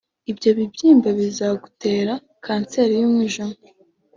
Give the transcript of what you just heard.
ibyo bibyimba biza gutera kanseri y’umujwima